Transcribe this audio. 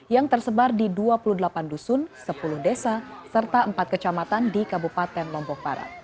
yang tersebar di dua puluh delapan dusun sepuluh desa serta empat kecamatan di kabupaten lombok barat